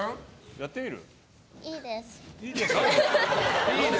やってみる？